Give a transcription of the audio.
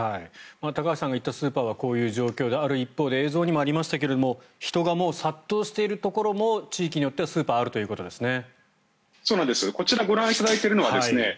高橋さんが行ったスーパーはこういった状況である一方で映像にもありましたが人が殺到しているところも地域によってはスーパーあるということですね。